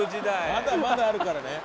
まだまだあるからね。